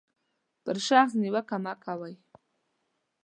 پر شخص نیوکه مه کوئ.